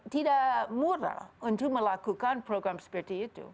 tidak murah untuk melakukan program seperti itu